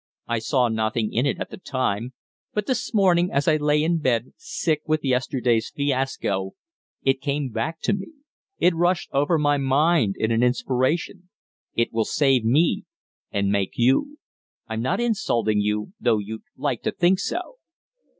I saw nothing in it at the time, but this morning, as I lay in bed, sick with yesterday's fiasco, it came back to me it rushed over my mind in an inspiration. It will save me and make you. I'm not insulting you, though you'd like to think so."